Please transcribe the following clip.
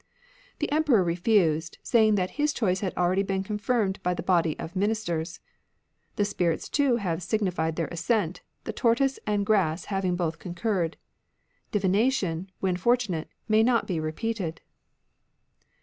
The Emperor refused, saying that his choice iiad already been confirmed by the body of Ministers. " The spirits too have signified their assent, the tortoise and grass having both concurred. Divination, when for timate, may not be repeated."